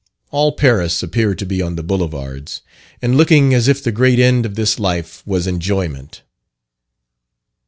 All Paris appeared to be on the Boulevards, and looking as if the great end of this life was enjoyment.